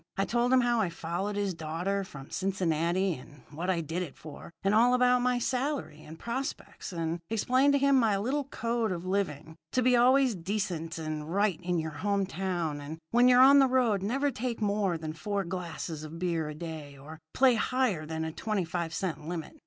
I told him how I followed his daughter from Cincinnati, and what I did it for, and all about my salary and prospects, and explained to him my little code of living to be always decent and right in your home town; and when you're on the road, never take more than four glasses of beer a day or play higher than a twenty five cent limit.